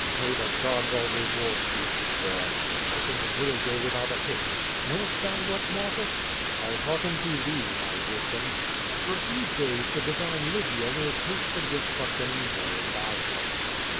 '* "May the gods all reward thee!" '^"^es, yes! I think it will go without a hitch. Enowest thou what, Marcus?" QUO VADIS. 35 "I hearken to thee, my wisdom." "After a few days the divine Lygia will taste tlie gifts of Demeter in thy house."